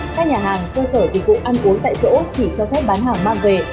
các nhà hàng cơ sở dịch vụ ăn uống tại chỗ chỉ cho phép bán hàng mang về